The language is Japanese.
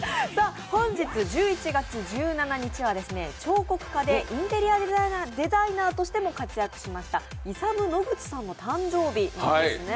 本日１１月１７日は彫刻家でインテリアデザイナーとしても活躍しましたイサム・ノグチさんの誕生日なんですね。